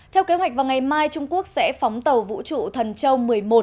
theo kế hoạch vào ngày mai trung quốc sẽ phóng tàu vũ trụ thần châu một mươi một